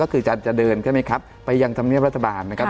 ก็คือจะเดินใช่ไหมครับไปยังธรรมเนียบรัฐบาลนะครับ